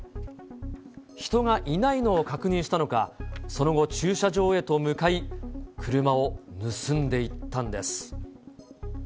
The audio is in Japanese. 人がいないのを確認したのか、その後、駐車場へと向かい、車を盗んでいったんです。